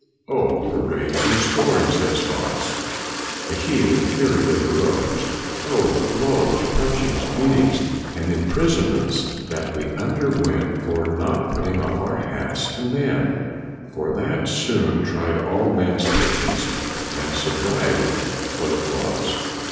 " Oh! the rage and scorn,' 1 says Fox, " the heat and fury that arose! Oh! the blows, punchings, beatings, and imprisonments that we underwent for not putting off our hats to men! For that soon tried all men's patience and sobriety what it was.